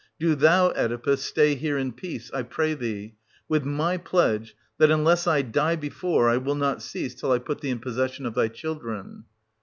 — Do thou, Oedipus, stay here in peace, I pray thee, — with my pledge that, unless I die before, I will not cease 1040 till I put thee in possession of thy children.